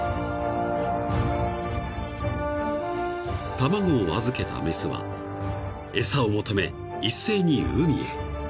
［卵を預けた雌は餌を求め一斉に海へ］